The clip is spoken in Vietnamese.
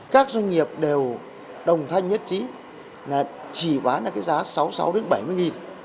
các doanh nghiệp đều đồng thanh nhất trí là chỉ bán ở cái giá sáu mươi sáu bảy mươi nghìn